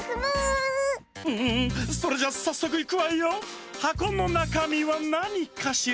んそれじゃさっそくいくわよ。はこのなかみはなにかしら？